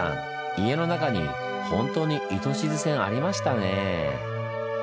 家の中にほんとに糸静線ありましたね。